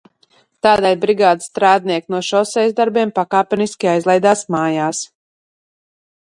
Tādēļ brigādes strādnieki no šosejas darbiem pakāpeniski aizlaidās mājās.